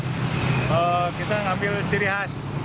jadi kita harus memiliki produk yang baik